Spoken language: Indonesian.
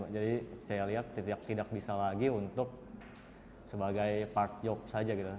jadi saya lihat tidak bisa lagi untuk sebagai part job saja